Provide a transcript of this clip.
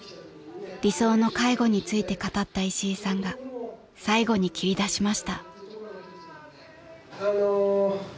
［理想の介護について語った石井さんが最後に切りだしました］